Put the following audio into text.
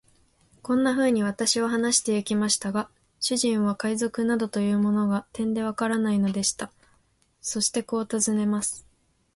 こんなふうに私は話してゆきましたが、主人は海賊などというものが、てんでわからないのでした。そしてこう尋ねます。